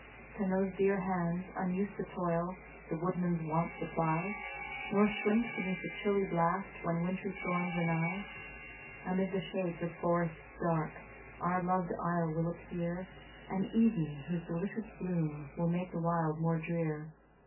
Can those dear hands, unused to toil, The woodman's wants supply, Nor shrink beneath the chilly blast When wintry storms are nigh? Amid the shades of forests dark, Our loved isle will appear An Eden, whose delicious bloom Will make the wild more drear.